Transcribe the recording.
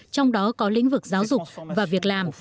trong đó có lĩnh vực giáo dục và việc làm